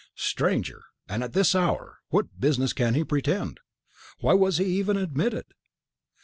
"A stranger! and at this hour! What business can he pretend? Why was he even admitted?"